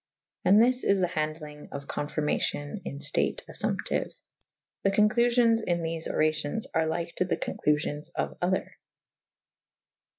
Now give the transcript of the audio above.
And this is the handelynge of confyrmacyon in ftate affumptiue. The conclufions in thefe oracyons are lyke to the conclufions of other.